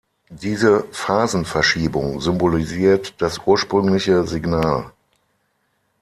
Diese Phasenverschiebung symbolisiert das ursprüngliche Signal.